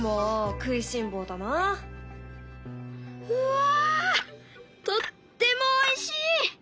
うわとってもおいしい！